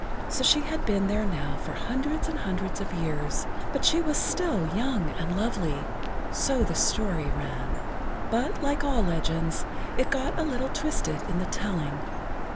So she had been there now for hundreds and hundreds of years, but was still young and lovely—so the story ran. But like all legends, it got a little twisted in the telling.